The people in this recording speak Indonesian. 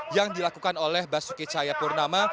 yang dilakukan oleh basuki cahaya purnama